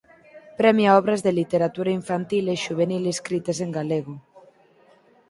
Premia obras de literatura infantil e xuvenil escritas en galego.